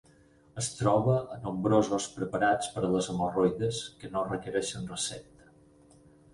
Es troba a nombrosos preparats per a les hemorroides que no requereixen recepta.